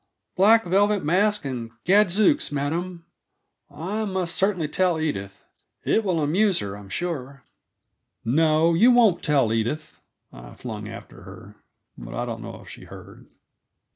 "Black velvet mask and gadzooks, madam I must certainly tell Edith. It will amuse her, I'm sure." "No, you won't tell Edith," I flung after her, but I don't know if she heard.